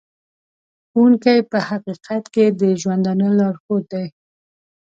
ښوونکی په حقیقت کې د ژوندانه لارښود دی.